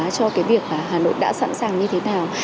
cho cái việc hà nội đã sẵn sàng như thế nào